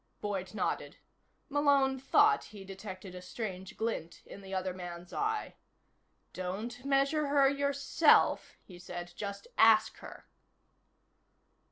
Boyd nodded. Malone thought he detected a strange glint in the other man's eye. "Don't measure her yourself," he said. "Just ask her."